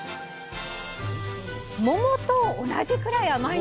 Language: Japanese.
桃と同じくらい甘いんです！